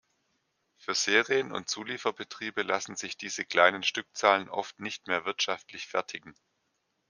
Für Serien- und Zulieferbetriebe lassen sich diese kleinen Stückzahlen oft nicht mehr wirtschaftlich fertigen.